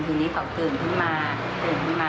ทีนี้เขาตื่นขึ้นมา